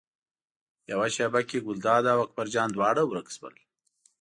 یوه شېبه کې ګلداد او اکبر جان دواړه ورک شول.